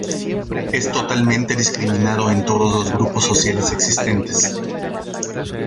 Es totalmente discriminado en todos los grupos sociales existentes.